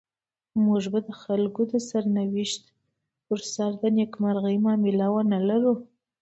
موږ به د خلکو د سرنوشت پر سر د نيکمرغۍ معامله ونلرو.